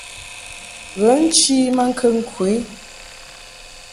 Ghə nchi maŋkəŋ ku i.